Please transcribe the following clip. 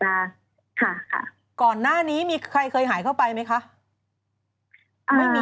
แต่ตอนก่อนหน้านี้มีใครเหมือนกันเคยหายเข้าไปไหมคะไม่มีนะ